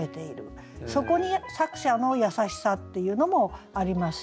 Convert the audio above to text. そこに作者の優しさっていうのもありますし。